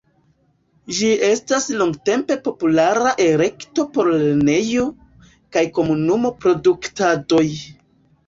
Ĝi estas longtempe populara elekto por lernejo- kaj komunumo-produktadoj.